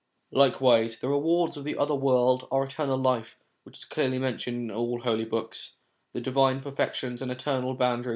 Likewise the rewards of the other world are the eternal life which is clearly mentioned in all the Holy Books, the divine perfections, the eternal bounties, and 1 John i.